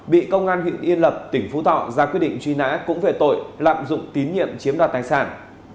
bị công an huyện yên lập tỉnh phú thọ ra quyết định truy nã cũng về tội lạm dụng tín nhiệm chiếm đoạt tài sản